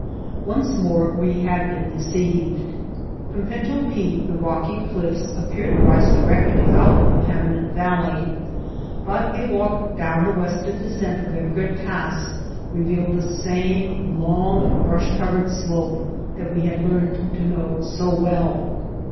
Once more we had been deceived. From Pinto Peak the rocky cliffs appeared to rise directly out of the Pana mint Valley, but a walk down the western descent of Emigrant Pass revealed the same [.80] The High White Peaks long, brush covered slope that we had learned to know so well.